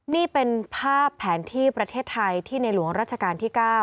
นี่เป็นภาพแผนที่ประเทศไทยที่ในหลวงราชการที่๙